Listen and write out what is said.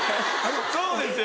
そうですよ！